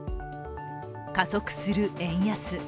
加速する円安。